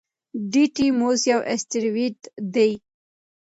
ډیډیموس یو اسټروېډ دی.